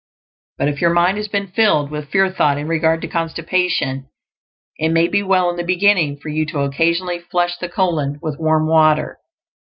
But if your mind has been filled with fear thought in regard to constipation, it may be well in the beginning for you to occasionally flush the colon with warm water.